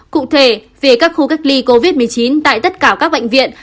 cụ thể về các khu cách ly covid một mươi chín tại tất cả các bệnh viện